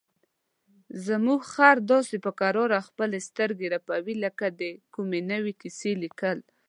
زموږ خر داسې په کراره خپلې سترګې رپوي لکه د کومې نوې کیسې لیکل.